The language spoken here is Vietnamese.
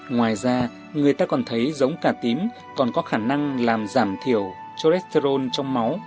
ngoài ra người ta còn thấy giống cá tím còn có khả năng làm giảm thiểu cholesterol trong máu